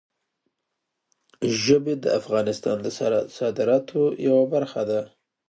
ژبې د افغانستان د صادراتو یوه برخه ده.